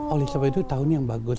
oleh sebab itu tahun yang bagus